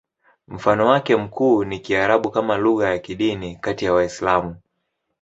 Mfano wake mkuu ni Kiarabu kama lugha ya kidini kati ya Waislamu.